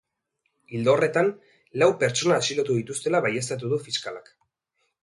Ildo horretan, lau pertsona atxilotu dituztela baieztatu du fiskalak.